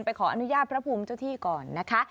ขออนุญาตพระภูมิเจ้าที่ก่อนนะคะ